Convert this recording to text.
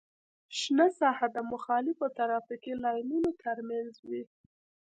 شنه ساحه د مخالفو ترافیکي لاینونو ترمنځ وي